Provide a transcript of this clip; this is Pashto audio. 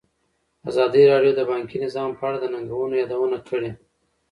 ازادي راډیو د بانکي نظام په اړه د ننګونو یادونه کړې.